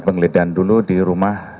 pengelidikan dulu di rumah